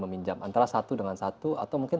meminjam antara satu dengan satu atau mungkin